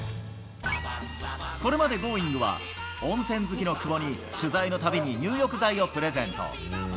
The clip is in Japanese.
これまでＧｏｉｎｇ！は温泉好きの久保に、取材のたびに入浴剤をプレゼント。